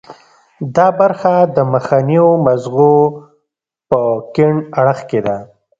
دا برخه د مخنیو مغزو په کیڼ اړخ کې ده